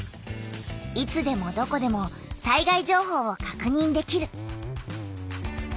いつでもどこでも災害情報をかくにんできる。